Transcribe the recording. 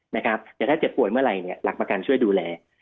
แต่ถ้าเจ็บป่วยเมื่อไหร่หลักประกันช่วยดูแล